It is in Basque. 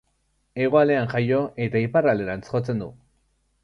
Hegoaldean jaio eta iparralderantz jotzen du.